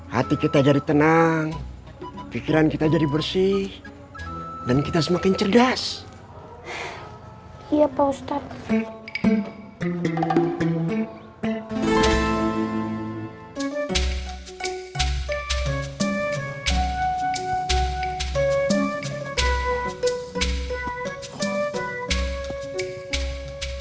hati kita jadi tenang pikiran kita jadi bersih dan kita semakin cerdas iya pak ustadz